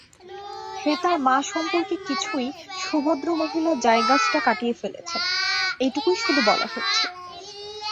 সে তার মা সম্পর্কে কিছুই সুভদ্রমহিলা জায়গাছটা কাটিয়ে ফেলেছেন, এইটুকুই শুধু বলা হয়েছে।